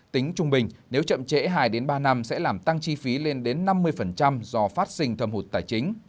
tính trung bình nếu chậm trễ hai ba năm sẽ làm tăng chi phí lên đến năm mươi do phát sinh thâm hụt tài chính